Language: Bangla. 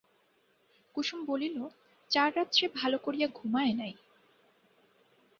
কুসুম বলিল, চার রাত সে ভালো করিয়া ঘুমায় নাই।